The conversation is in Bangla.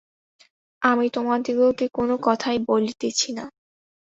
আমি তোমাদিগকে কোনো কথাই বলিতেছি না।